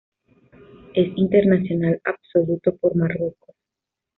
Es internacional absoluto por Marruecos.